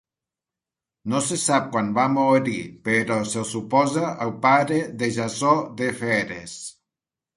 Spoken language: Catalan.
No se sap quan va morir però se'l suposa el pare de Jasó de Feres.